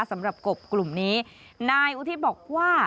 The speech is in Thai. สำหรับกบกลุ่มนี้นายอุทิศบอกว่า